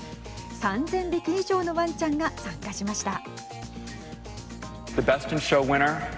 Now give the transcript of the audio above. ３０００匹以上のワンちゃんが参加しました。